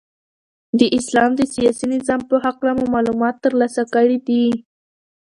د اسلام د سیاسی نظام په هکله مو معلومات ترلاسه کړی دی.